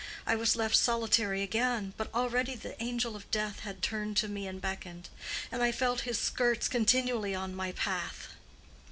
I was left solitary again; but already the angel of death had turned to me and beckoned, and I felt his skirts continually on my path.